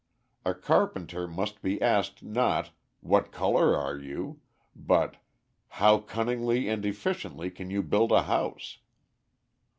A carpenter must be asked, not "What colour are you?" but "How cunningly and efficiently can you build a house?"